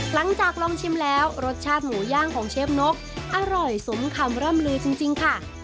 หลังจากลองชิมแล้วรสชาติหมูย่างของเชฟนกอร่อยสมคำร่ำลือจริงค่ะ